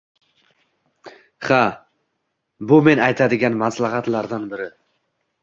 Ha, bu men aytadigan maslahatlardan biri.